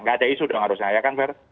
gak ada isu dong harusnya ya kan ver